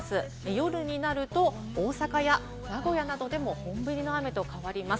夜になると大阪や名古屋などでも本降りの雨と変わります。